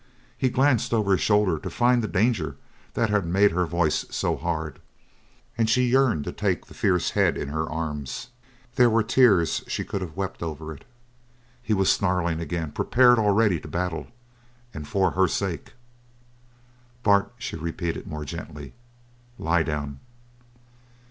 He glanced over his shoulder to find the danger that had made her voice so hard. And she yearned to take the fierce head in her arms; there were tears she could have wept over it. He was snarling again, prepared already to battle, and for her sake. "Bart!" she repeated, more gently. "Lie down!"